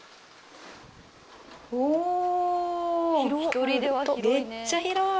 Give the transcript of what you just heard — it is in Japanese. おぉめっちゃ広い。